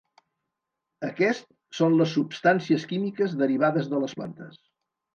Aquest són les substàncies químiques derivades de les plantes.